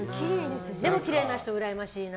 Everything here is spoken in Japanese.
でもきれいな人うらやましいな。